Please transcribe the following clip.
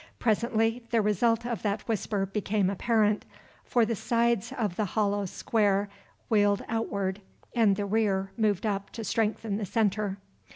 Presently the result of that whisper became apparent, for the sides of the hollow square wheeled outward and the rear moved up to strengthen the centre.